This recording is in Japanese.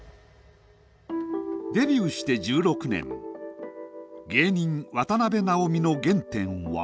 デビューして１６年芸人渡辺直美の原点は？